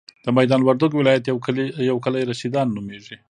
د ميدان وردګو ولایت یو کلی رشیدان نوميږي.